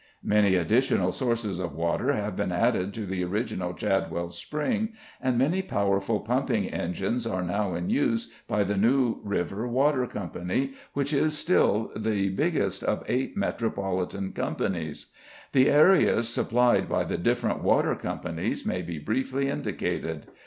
Many additional sources of water have been added to the original Chadwell spring, and many powerful pumping engines are now in use by the New River Water Company, which is still the biggest of eight metropolitan companies. The areas supplied by the different water companies may be briefly indicated.